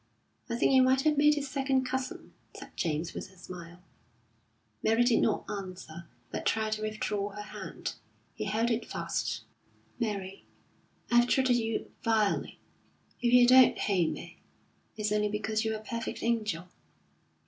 "I think you might have made it second cousin," said James, with a smile. Mary did not answer, but tried to withdraw her hand. He held it fast. "Mary, I've treated you vilely. If you don't hate me, it's only because you're a perfect angel."